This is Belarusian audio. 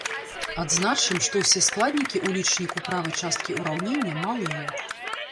Адзначым, што ўсе складнікі ў лічніку правай часткі ўраўнення малыя.